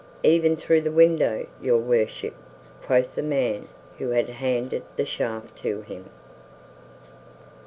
"Even through the window, Your Worship," quoth the man who had handed the shaft to him.